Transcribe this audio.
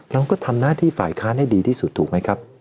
เราก็ทำหน้าที่ฝ่ายค้านให้ดีที่สุดถูกไหมครับ